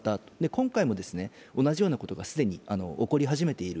今回も、同じようなことが既に起こり始めている。